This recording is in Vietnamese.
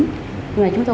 nhưng mà chúng tôi